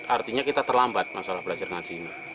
artinya kita terlambat masalah belajar ngaji ini